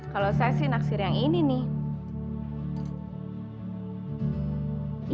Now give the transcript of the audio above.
kalau saya sih nak siri yang ini nih